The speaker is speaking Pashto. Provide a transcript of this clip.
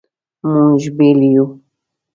مونږ بیل یو